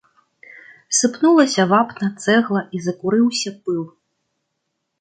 Сыпнулася вапна, цэгла, і закурыўся пыл.